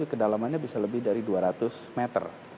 kedalamannya bisa lebih dari dua ratus meter